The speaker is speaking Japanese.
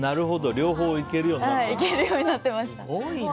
両方いけるようになってました。